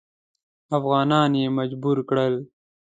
افغانان یې مجبور کړل.